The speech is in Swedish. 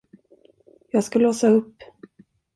Jag ska låsa upp.